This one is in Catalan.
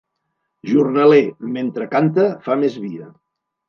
Jornaler, mentre canta, fa més via.